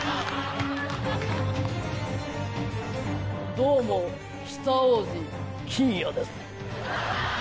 どうも北大路欣也です。